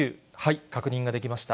確認ができました。